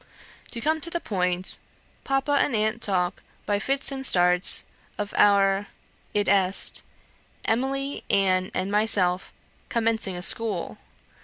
To come to the point: Papa and aunt talk, by fits and starts, of our id est, Emily, Anne, and myself commencing a school!